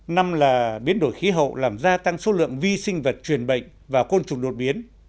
năm là biến đổi khí hậu làm gia tăng số lượng vi sinh vật truyền bệnh và côn trùng đột biến